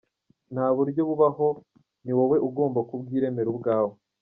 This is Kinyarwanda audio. Nta buryo bubaho, ni wowe ugomba kubwiremera ubwawe”.